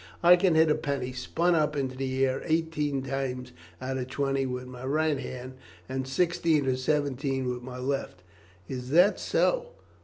"I can hit a penny spun up into the air eighteen times out of twenty with my right hand, and sixteen or seventeen with my left." "Is that so?